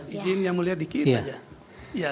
ibu ingin yang mulia dikit saja